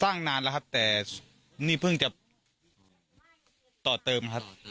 นานแล้วครับแต่นี่เพิ่งจะต่อเติมครับ